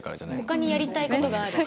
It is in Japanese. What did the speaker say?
ほかにやりたいことがある。